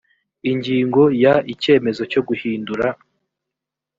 ingingo ya icyemezo cyo guhindura